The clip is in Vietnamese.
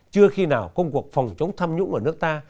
chưa khi nào công cuộc phòng chống tham nhũng ở nước ta